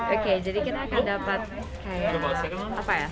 oke jadi kita akan dapat apa ya